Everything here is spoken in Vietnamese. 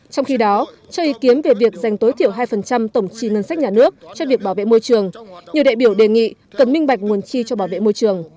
trong khi đó cho ý kiến về việc dành tối thiểu hai tổng chi ngân sách nhà nước cho việc bảo vệ môi trường nhiều đại biểu đề nghị cần minh bạch nguồn chi cho bảo vệ môi trường